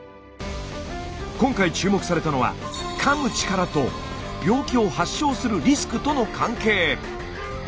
今回注目されたのはかむ力と病気を発症するリスクとの関係。